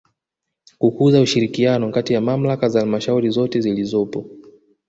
Kukuza ushirikiano kati ya Mamlaka za Halmashauri zote zilizopo